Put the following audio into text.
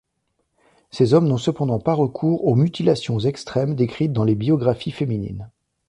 Ces hommes n'ont cependant pas recours aux mutilations extrêmes décrites dans les biographies féminines.